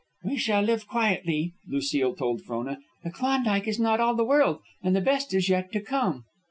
"We shall live quietly," Lucile told Frona. "The Klondike is not all the world, and the best is yet to come."